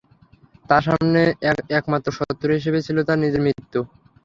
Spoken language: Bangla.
তার সামনে একমাত্র শত্রু হিসেবে ছিল তার নিজের মৃত্যু!